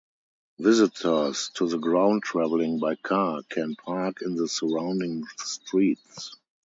Visitors to the ground travelling by car can park in the surrounding streets.